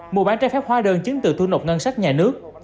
mua bán trái phép hóa đơn chứng từ thu nộp ngân sách nhà nước